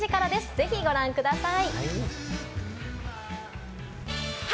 ぜひご覧ください。